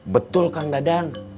betul kang dadang